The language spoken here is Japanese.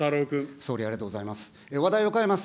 総理、ありがとうございます。